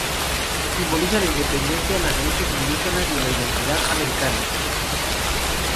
Simboliza la independencia, las raíces indígenas y la identidad americana.